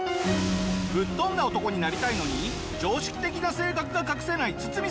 ぶっ飛んだ男になりたいのに常識的な性格が隠せないツツミさん。